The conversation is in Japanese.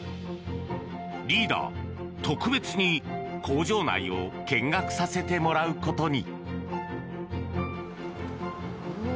リーダー、特別に工場内を見学させてもらうことに。